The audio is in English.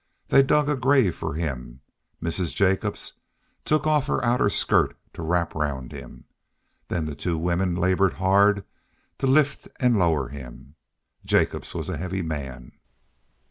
They dug a grave for him. Mrs. Jacobs took off her outer skirt to wrap round him. Then the two women labored hard to lift him and lower him. Jacobs was a heavy man.